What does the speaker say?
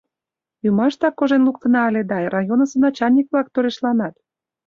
Ӱмаштак кожен луктына ыле да районысо начальник-влак торешланат.